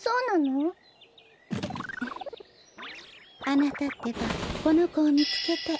あなたってばこのこをみつけて。